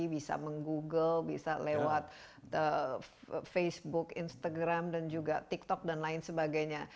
bisa meng google bisa lewat facebook instagram dan juga tiktok dan lain sebagainya